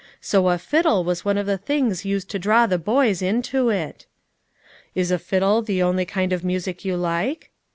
So a fiddle was one of the things used to draw the boys into it !" Is a fiddle the only kind of music you like